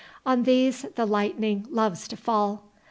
On these the lightning loves to fall.